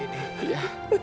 jangan seperti ini ya